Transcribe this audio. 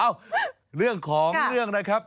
เอ้าเรื่องของเรื่องนะครับ